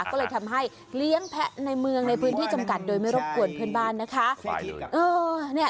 ก็เลยทำให้เลี้ยงแพะในเมืองในพื้นที่จำกัดโดยไม่รบกวนเพื่อนบ้านนะคะ